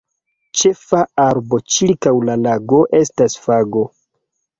Ĉefa arbo ĉirkaŭ la lago estas fago.